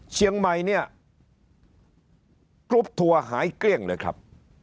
เชียงใหม่เนี่ยกรุ๊ปทัวร์หายเกลี้ยงเลยครับ